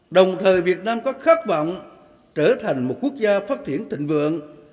đồng thời việt nam có khát vọng trở thành một quốc gia phát triển thịnh vượng